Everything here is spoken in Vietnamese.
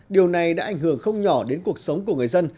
điều này đã ảnh hưởng không nhỏ đến cuộc sống của người dân